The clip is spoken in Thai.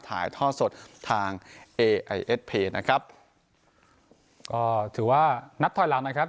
ถ่ายท่อสดทางนะครับก็ถือว่านัดถอยรักนะครับ